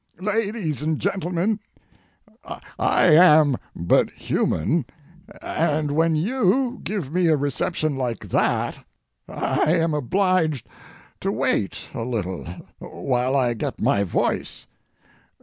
LADIES AND GENTLEMEN,—I am but human, and when you, give me a reception like that I am obliged to wait a little while I get my voice.